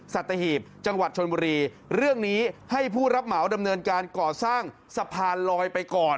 สัตหีบจังหวัดชนบุรีเรื่องนี้ให้ผู้รับเหมาดำเนินการก่อสร้างสะพานลอยไปก่อน